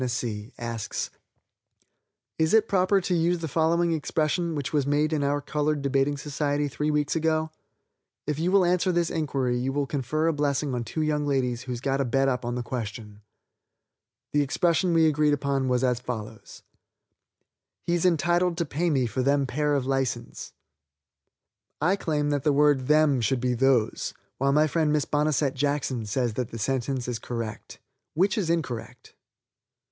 _, asks: "Is it proper to use the following expression, which was made in our colored debating society three weeks ago? If you will answer this inquiry you will confer a blessing on two young ladies who's got a bet up on the question. The expression we agree was as follows: 'He's entitled to pay me for them pair of license.' "I claim that the word 'them' should be 'those,' while my friend Miss Bonesette Jackson says that the sentence is correct. Which is incorrect?"